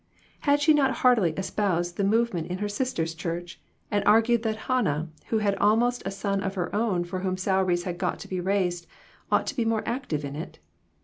Had she not heartily espoused the move ment in her sister's church, and argued that Hannah, who had almost a son of her own for whom salaries had got to be raised, ought to be more active in it